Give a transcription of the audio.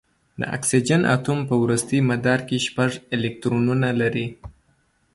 د اکسیجن اتوم په وروستي مدار کې شپږ الکترونونه لري.